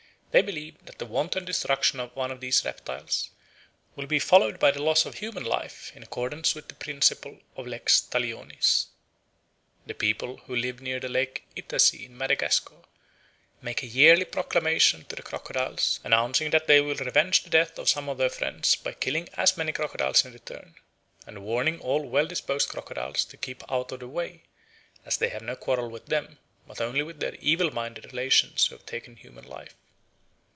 They believe that the wanton destruction of one of these reptiles will be followed by the loss of human life, in accordance with the principle of lex talionis." The people who live near the lake Itasy in Madagascar make a yearly proclamation to the crocodiles, announcing that they will revenge the death of some of their friends by killing as many crocodiles in return, and warning all well disposed crocodiles to keep out of the way, as they have no quarrel with them, but only with their evil minded relations who have taken human life.